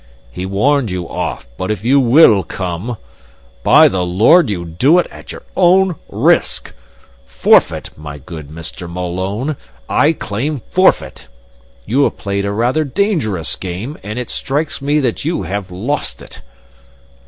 He warned you off, but if you WILL come, by the Lord you do it at your own risk. Forfeit, my good Mr. Malone, I claim forfeit! You have played a rather dangerous game, and it strikes me that you have lost it."